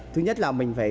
thứ nhất là mình phải